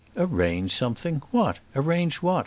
"Arrange something! What? arrange what?